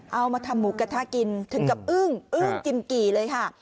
เอามาทำหมูกระทะกินถึงกับอึ้งอึ้งจิมกี่เลยค่ะ